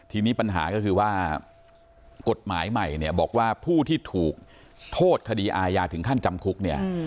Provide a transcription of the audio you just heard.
ทีนี้ปัญหาก็คือว่ากฎหมายใหม่เนี่ยบอกว่าผู้ที่ถูกโทษคดีอาญาถึงขั้นจำคุกเนี่ย